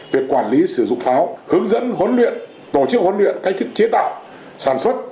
về quản lý sử dụng pháo hướng dẫn huấn luyện tổ chức huấn luyện cách thức chế tạo sản xuất